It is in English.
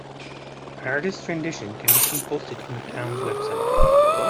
An artist's rendition can be seen posted on the town's web site.